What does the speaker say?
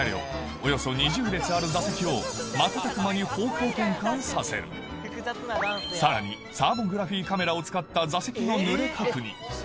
およそ２０列ある座席を瞬く間に方向転換させるさらにサーモグラフィ−カメラを使った座席の濡れ確認